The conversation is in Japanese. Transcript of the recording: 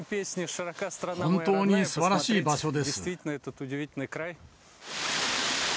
本当にすばらしい場所です。